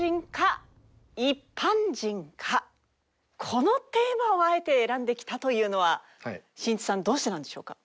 このテーマをあえて選んできたというのはしんいちさんどうしてなんでしょうか？